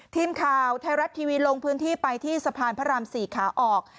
ทีมข่าวไทยรัฐทีวีลงพื้นที่ไปที่สะพานพระราม๔ขาออก